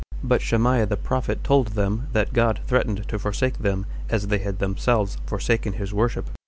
But Shemaiah the prophet told them, that God threatened to forsake them, as they had themselves forsaken his worship.